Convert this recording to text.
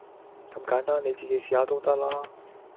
咁簡單，你自己試下都得啦